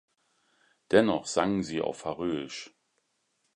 Dennoch sangen sie auf Färöisch.